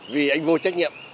vì anh vô trách nhiệm